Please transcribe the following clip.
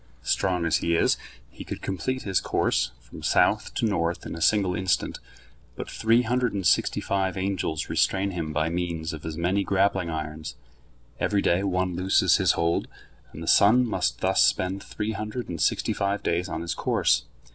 Strong as he is, he could complete his course from south to north in a single instant, but three hundred and sixty five angels restrain him by means of as many grappling irons. Every day one looses his hold, and the sun must thus spend three hundred and sixty five days on his course.